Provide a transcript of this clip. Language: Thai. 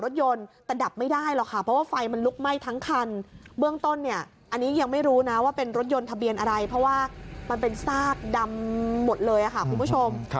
เรื่องต้นอันนี้ยังไม่รู้นะว่าเป็นรถยนต์ทะเบียนอะไรเพราะว่ามันเป็นซากดำหมดเลยค่ะคุณผู้ชม